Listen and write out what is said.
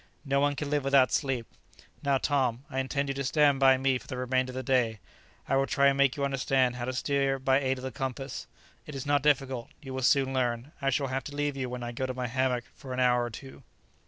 No one can live without sleep. Now, Tom, I intend you to stand by me for the remainder of the day. I will try and make you understand how to steer by the aid of the compass. It is not difficult. You will soon learn. I shall have to leave you when I go to my hammock for an hour or two."